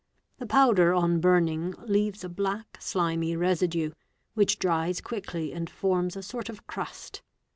: Sa he powder on burning leaves a black, slimy residue, which dries quickly ; and forms a sort of crust.